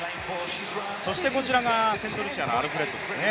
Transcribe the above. そしてこちらがセントルシアのアルフレッドですね。